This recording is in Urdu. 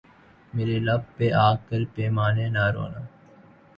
میرے لب پہ آ کر پیمانے نہ رونا